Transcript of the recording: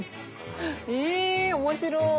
え面白い！